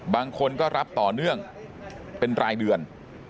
บางคนก็รับต่อเนื่องเป็นรายเดือน